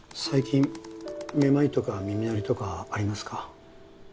最近めまいとか耳鳴りとかありますか？